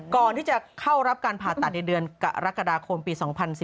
ก่อนที่จะเข้ารับการผ่าตัดในเดือนกรกฎาคมปี๒๔๙